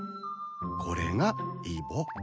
これがイボ。